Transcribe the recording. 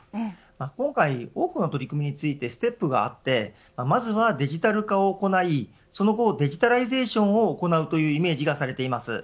今回、多くの取り組みについてステップがあってまずはデジタル化を行いその後、デジタライゼーションを行うというイメージがされています。